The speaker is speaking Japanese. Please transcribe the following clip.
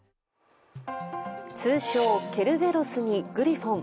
通称ケルベロスにグリフォン。